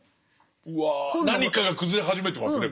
うわ何かが崩れ始めてますね